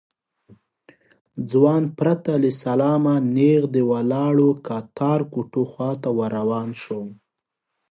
ځوان پرته له سلامه نېغ د ولاړو کتار کوټو خواته ور روان شو.